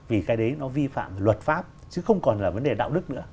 vì cái đấy nó vi phạm luật pháp chứ không còn là vấn đề đạo đức nữa